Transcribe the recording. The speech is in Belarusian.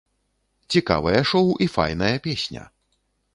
Цікавае шоў і файная песня.